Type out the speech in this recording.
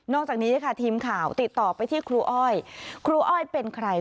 จากนี้ค่ะทีมข่าวติดต่อไปที่ครูอ้อยครูอ้อยเป็นใคร